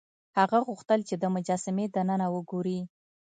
هغه غوښتل چې د مجسمې دننه وګوري.